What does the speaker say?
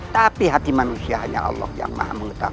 tapi hati manusia hanya allah yang maha mengetahui